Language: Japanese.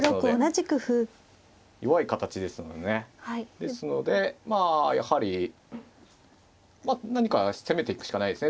ですのでまあやはり何か攻めていくしかないですね。